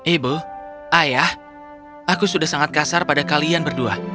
ibu ayah aku sudah sangat kasar pada kalian berdua